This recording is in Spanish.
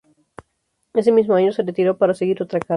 Ese mismo año se retiró para seguir otra carrera.